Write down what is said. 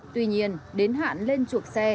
tuy nhiên đến hạn lên chuộc xe